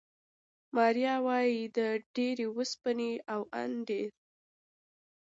ماریا وايي، د ډېرې اوسپنې او ان ډېر